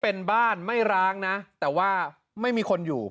เป็นบ้านไม่ร้างนะแต่ว่าไม่มีคนอยู่